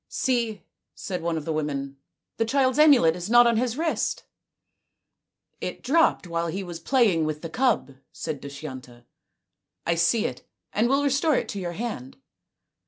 " See," said one of the women, " the child's amulet is not on his wrist." " It dropped while he was playing with the cub," said Dushyanta. " I see it and will restore it to your hand."